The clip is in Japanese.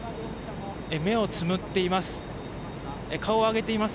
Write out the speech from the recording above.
目をつむっています。